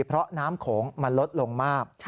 เพราะน้ำโขงมันลดลงมาก